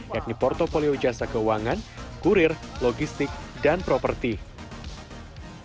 yakni portfolio jasa keuangan kurir logistik dan properti